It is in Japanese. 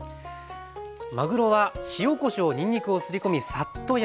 まぐろは塩こしょうにんにくをすり込みサッと焼くだけでした。